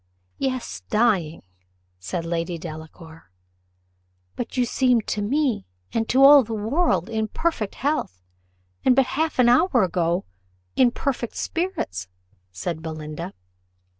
"Yes, dying!" said Lady Delacour. "But you seem to me, and to all the world, in perfect health; and but half an hour ago in perfect spirits," said Belinda.